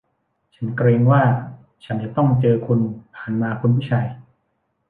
ฉันเกรงว่าฉันจะต้องเจอคุณผ่านมา คุณผู้ชาย